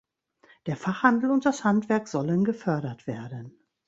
Der Fachhandel und das Handwerk sollen gefördert werden.